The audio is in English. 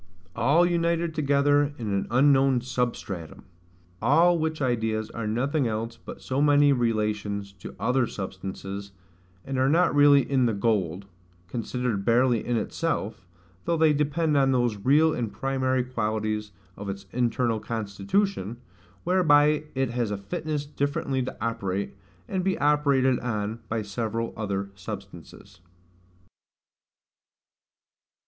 all united together in an unknown SUBSTRATUM: all which ideas are nothing else but so many relations to other substances; and are not really in the gold, considered barely in itself, though they depend on those real and primary qualities of its internal constitution, whereby it has a fitness differently to operate, and be operated on by several other substances.